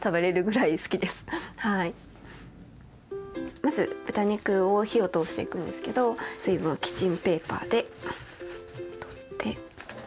まず豚肉を火を通していくんですけど水分をキッチンペーパーで取って。